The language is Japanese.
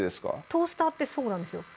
トースターってそうなんですよ